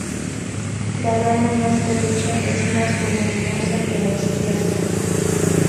La rama más derecha es más voluminosa que la izquierda.